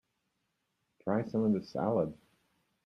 Try some of this salad.